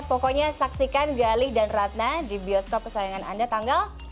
pokoknya saksikan galih dan ratna di bioskop kesayangan anda tanggal